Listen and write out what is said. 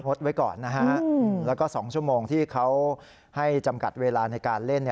ไว้ก่อนนะฮะแล้วก็๒ชั่วโมงที่เขาให้จำกัดเวลาในการเล่น